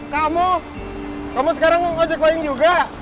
kamu kamu sekarang ngajak payung juga